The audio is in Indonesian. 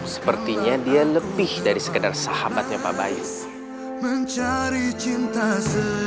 sepertinya dia lebih dari sekedar sahabatnya pak bayu